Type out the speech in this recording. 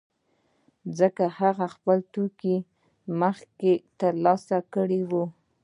ځکه هغه خپل توکي مخکې ترلاسه کړي وو